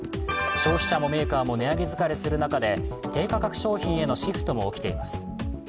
消費者もメーカーも値上げ疲れする中で、低価格商品へのシフトも起きています。